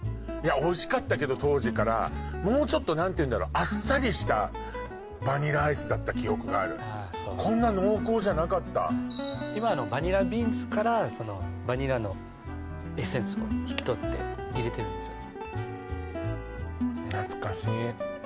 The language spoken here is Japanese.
おいしかったけど当時からもうちょっと何ていうんだろうあっさりしたバニラアイスだった記憶があるこんな濃厚じゃなかった今のバニラビーンズからバニラのエッセンスを引き取って入れてるんですよ